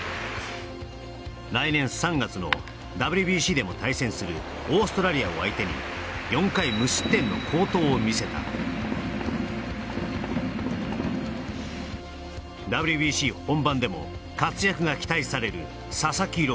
来年３月のＷＢＣでも対戦するオーストラリアを相手にの好投を見せたＷＢＣ本番でも活躍が期待される佐々木朗